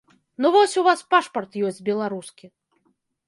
Ну вось у вас пашпарт ёсць беларускі.